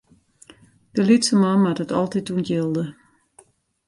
De lytse man moat it altyd ûntjilde.